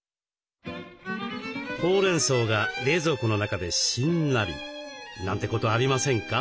ほうれんそうが冷蔵庫の中でしんなりなんてことありませんか？